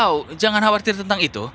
wow jangan khawatir tentang itu